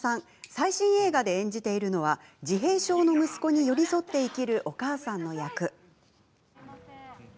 最新映画で演じているのは自閉症の息子に寄り添って生きるお母さん役。